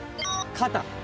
肩。